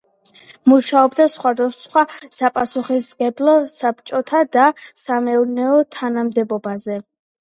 მუშაობდა სხვადასხვა საპასუხისმგებლო საბჭოთა და სამეურნეო თანამდებობაზე.